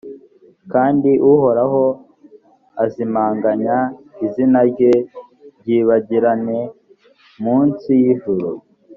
kandi uhoraho azimanganye izina rye ryibagirane mu nsi y’ijuru.